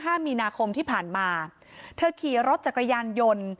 ห้ามีนาคมที่ผ่านมาเธอขี่รถจักรยานยนต์